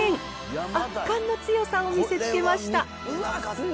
圧巻の強さを見せつけました。